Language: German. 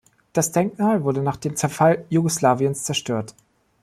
Das Denkmal wurde nach dem Zerfall Jugoslawiens zerstört.